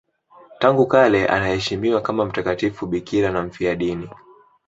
Tangu kale anaheshimiwa kama mtakatifu bikira na mfiadini.